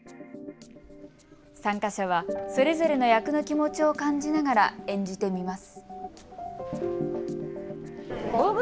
参加者はそれぞれの役の気持ちを感じながら演じてみます。